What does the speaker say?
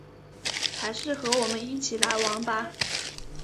还是和我们一起来玩吧